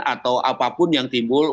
atau apapun yang timbul